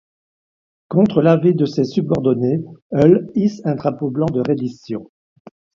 Contre l'avis de ses subordonnés, Hull hisse un drapeau blanc de reddition.